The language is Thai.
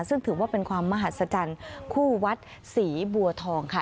ซึ่งถือว่าเป็นความมหัศจรรย์คู่วัดศรีบัวทองค่ะ